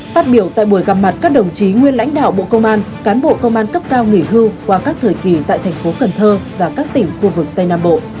phát biểu tại buổi gặp mặt các đồng chí nguyên lãnh đạo bộ công an cán bộ công an cấp cao nghỉ hưu qua các thời kỳ tại thành phố cần thơ và các tỉnh khu vực tây nam bộ